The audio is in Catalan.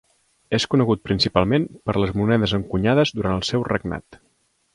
És conegut principalment per les monedes encunyades durant el seu regnat.